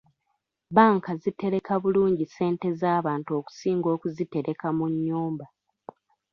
Bbanka zitereka bulungi ssente z'abantu okusinga okuzitereka mu nnyumba.